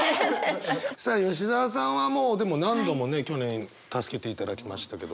さあ吉澤さんはもうでも何度もね去年助けていただきましたけど。